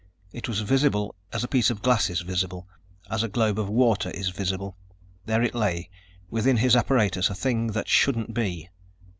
It was visible as a piece of glass is visible, as a globe of water is visible. There it lay, within his apparatus, a thing that shouldn't be.